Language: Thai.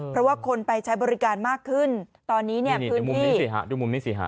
เพราะว่าคนไปใช้บริการมากขึ้นตอนนี้เนี่ยดูมุมนี้สิฮะ